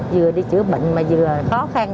vừa đi chữa bệnh mà vừa khó khăn